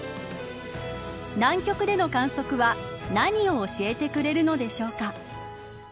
南極での観測は何を教えてくれるのでしょうか。